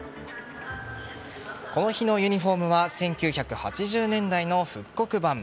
この日のユニホームは１９８０年代の復刻版。